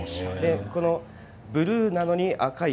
ブルーなのに赤い。